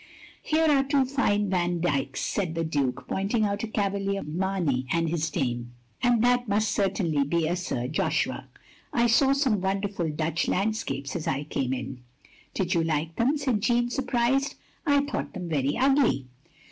" "Here are two fine Van Dycks," said the Duke, pointing out a cavalier Mamey and his dame, "and that must certainly be a Sir Joshua. I saw some wonderful Dutch landscapes as I came in." "Did you like them?" said Jeanne, surprised. " I thought them very ugly.